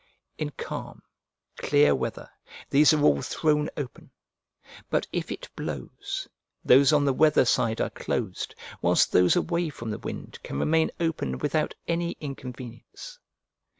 In calm, clear, weather these are all thrown open; but if it blows, those on the weather side are closed, whilst those away from the wind can remain open without any inconvenience.